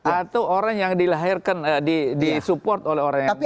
atau orang yang dilahirkan disupport oleh orang yang